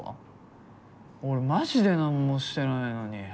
俺マジで何もしてないのに。